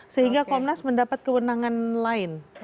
sehingga komnas mendapat kewenangan lain